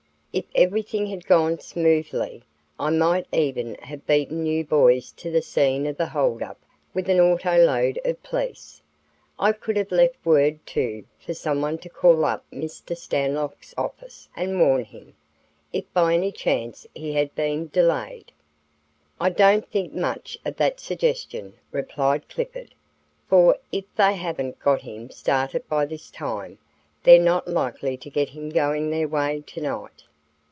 If everything had gone smoothly, I might even have beaten you boys to the scene of the hold up with an auto load of police. I could 'ave left word, too, for someone to call up Mr. Stanlock's office and warn him, if by any cause he had been delayed." "I don't think much of that suggestion," replied Clifford; "for, if they haven't got him started by this time, they're not likely to get him going their way tonight.